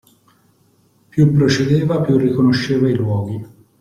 Più procedeva, più riconosceva i luoghi.